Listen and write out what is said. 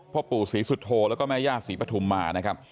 พ่อปู่ศรีสุโธแล้วก็แม่ย่าศรีปฐุมมานะครับ